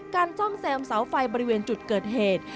การซ่อมแซมเสาไฟบริเวณจุดเกิดเหตุ